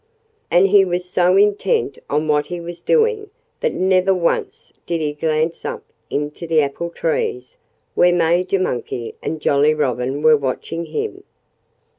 And he was so intent on what he was doing that never once did he glance up into the apple trees, where Major Monkey and Jolly Robin were watching him.